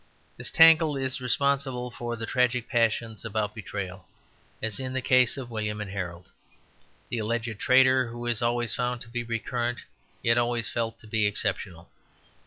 This tangle is responsible for the tragic passions about betrayal, as in the case of William and Harold; the alleged traitor who is always found to be recurrent, yet always felt to be exceptional.